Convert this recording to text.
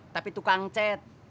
tapi tukang cat